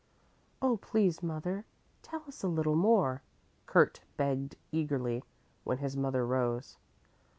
"Oh, please, mother, tell us a little more," Kurt begged eagerly, when his mother rose.